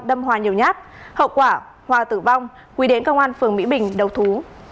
đâm hòa nhiều nhát hậu quả hòa tử vong quý đến công an phường mỹ bình đầu thú